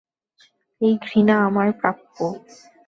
এই ঘৃণা আমার প্রাপ্য।